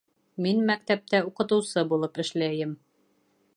Мин мәктәптә уҡытыусы булып эшләйем